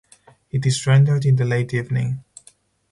It is rendered in the late evening.